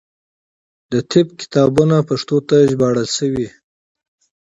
د طب کتابونه پښتو ته ژباړل شوي.